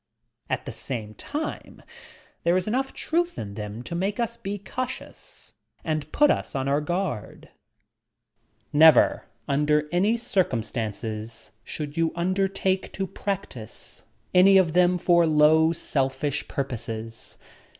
At the same time there is enough truth in them to maUe us be cautious and put us on our guard. Never, under any circumstances, should you undertake to practise any 312 YOUR PSYCHIC POWBBS of them for low, selfish purposes.